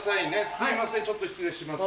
すいませんちょっと失礼します。